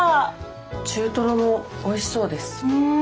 中トロもおいしそうです。ね。